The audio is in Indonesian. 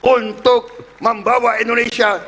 untuk membawa indonesia